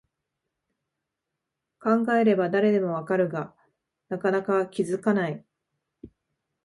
考えれば誰でもわかるが、なかなか気づかない